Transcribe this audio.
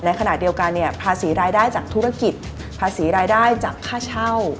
ขณะเดียวกันเนี่ยภาษีรายได้จากธุรกิจภาษีรายได้จากค่าเช่า